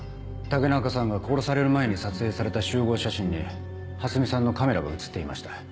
武中さんが殺される前に撮影された集合写真に蓮見さんのカメラが写っていました。